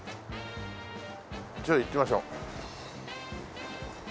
ちょっと行ってみましょう。